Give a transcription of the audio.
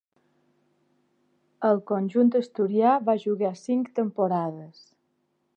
Al conjunt asturià va jugar cinc temporades.